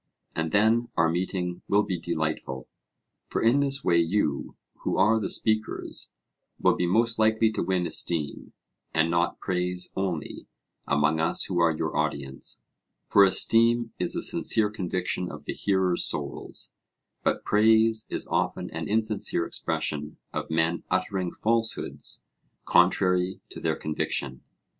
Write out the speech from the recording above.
And then our meeting will be delightful; for in this way you, who are the speakers, will be most likely to win esteem, and not praise only, among us who are your audience; for esteem is a sincere conviction of the hearers' souls, but praise is often an insincere expression of men uttering falsehoods contrary to their conviction.